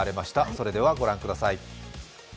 それではご覧ください。